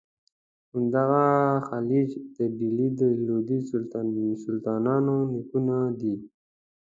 همدغه خلج د ډهلي د لودي سلطانانو نیکونه دي.